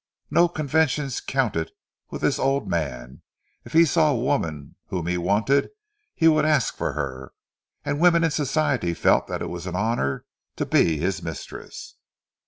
No conventions counted with this old man—if he saw a woman whom he wanted, he would ask for her; and women in Society felt that it was an honour to be his mistress.